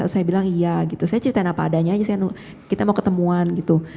saya bilang iya gitu saya ceritain apa adanya aja kita mau ketemuan gitu